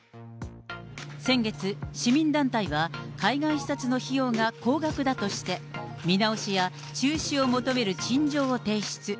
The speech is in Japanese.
先月、市民団体は海外視察の費用が高額だとして、見直しや中止を求める陳情を提出。